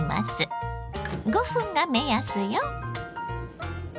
５分が目安よ。